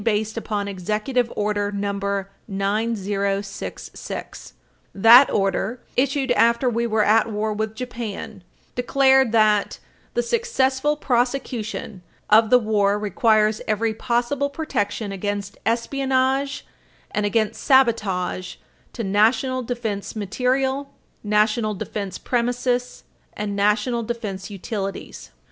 217 based upon Executive Order No. 9066, 7 Fed.Reg. 1407. That order, issued after we were at war with Japan, declared that "the successful prosecution of the war requires every possible protection against espionage and against sabotage to national defense material, national defense premises, and national defense utilities.